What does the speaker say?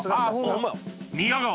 宮川